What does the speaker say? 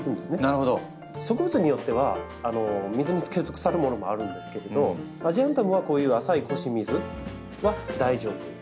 植物によっては水につけると腐るものもあるんですけれどアジアンタムはこういう浅い腰水は大丈夫です。